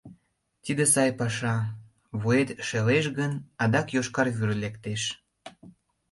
Тиде сай паша: вует шелеш гын, адак йошкар вӱр лектеш...